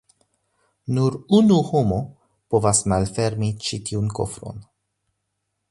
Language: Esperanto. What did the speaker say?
Nur unu homo povas malfermi ĉi tiun kofron.